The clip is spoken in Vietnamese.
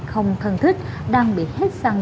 không thân thích đang bị hết xăng